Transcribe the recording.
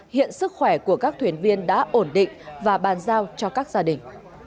hiện sức khỏe của các thuyền viên đã ổn định và bàn giao cho các gia đình